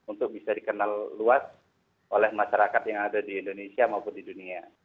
untuk bisa dikenal luas oleh masyarakat yang ada di indonesia maupun di dunia